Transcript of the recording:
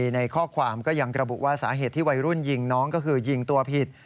ในข้อความก็ยังระบุว่าสาเหตุที่วัยรุ่นยิงน้องก็คือยิงตัวผิด